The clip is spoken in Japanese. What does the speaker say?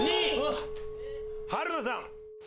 春菜さん。